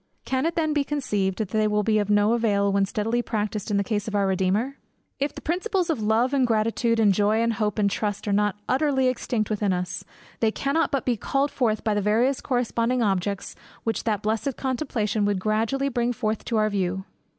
Can it then be conceived, that they will be of no avail when steadily practised in the case of our Redeemer! If the principles of love, and gratitude, and joy, and hope, and trust, are not utterly extinct within us, they cannot but be called forth by the various corresponding objects which that blessed contemplation would gradually bring forth to our view.